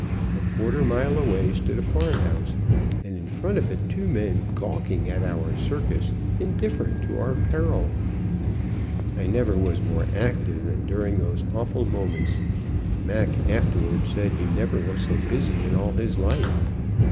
A quarter mile away stood a farm house, and in front of it two men gawking at our "circus," indifferent to our peril. I never was more active than during those awful moments; Mac afterward said he never was so busy in all his life.